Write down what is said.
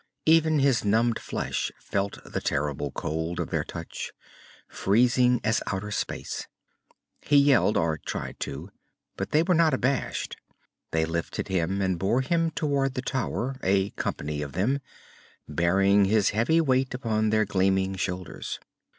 Even his numbed flesh felt the terrible cold of their touch, freezing as outer space. He yelled, or tried to, but they were not abashed. They lifted him and bore him toward the tower, a company of them, bearing his heavy weight upon their gleaming shoulders.